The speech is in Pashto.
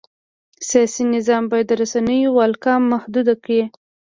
سیاسي نظام باید د رسنیو ولکه محدوده کړي.